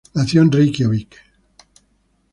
Nació en Reikiavik.